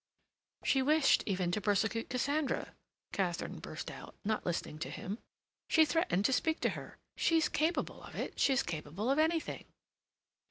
"She wished even to persecute Cassandra!" Katharine burst out, not listening to him. "She threatened to speak to her. She's capable of it—she's capable of anything!"